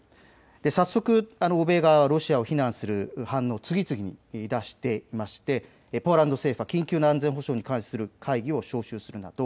早速、欧米側はロシアを非難する反応を次々に出していましてポーランド政府は緊急の安全保障に関する会議を招集するなど